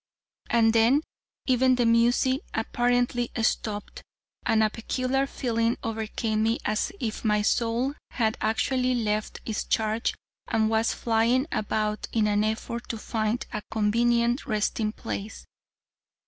And then, even the music apparently stopped, and a peculiar feeling overcame me as if my soul had actually left its charge and was flying about in an effort to find a convenient resting place.